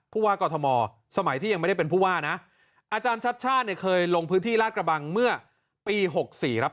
ผู้ว่ากอทมสมัยที่ยังไม่ได้เป็นผู้ว่านะอาจารย์ชัดชาติเนี่ยเคยลงพื้นที่ลาดกระบังเมื่อปี๖๔ครับ